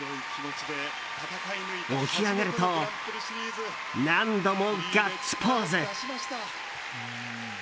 起き上がると何度もガッツポーズ。